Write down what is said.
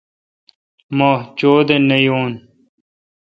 مہ چودہ نہ یون